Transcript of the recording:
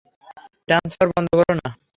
Transfer বন্ধ করো না।